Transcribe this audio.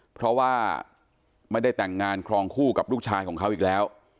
เพราะว่าไม่ได้แต่งงานครองคู่กับลูกชายของเขาอีกแล้ว